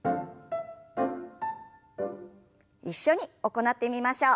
一緒に行ってみましょう。